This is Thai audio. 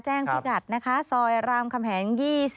แจ้งพิกัดนะคะซอยรำคำแหง๒๔